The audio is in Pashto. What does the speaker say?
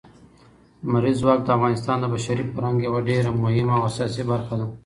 لمریز ځواک د افغانستان د بشري فرهنګ یوه ډېره مهمه او اساسي برخه ده.